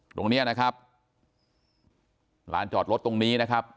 ตรงเนี้ยนะครับร้านจอดรถตรงนี้นะครับ